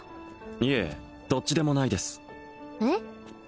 いえどっちでもないですえっ？